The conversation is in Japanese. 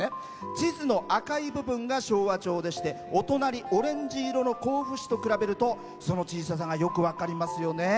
地図の赤い部分が昭和町でしてお隣、オレンジ色の甲府市と比べるとその小ささがよく分かりますよね。